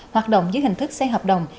hoạt động dưới hình thức xe hợp đồng